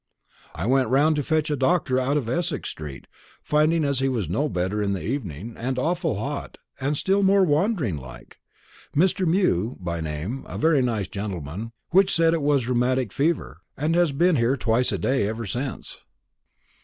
I went round to fetch a doctor out of Essex Street, finding as he was no better in the evening, and awful hot, and still more wandering like Mr. Mew by name, a very nice gentleman which said as it were rheumatic fever, and has been here twice a day ever since."